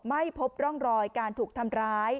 ไม่พบร่องรอยการถูกทำร้าย